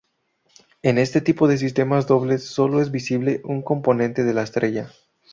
En este tipo de sistemas dobles sólo es visible un componente de la estrella.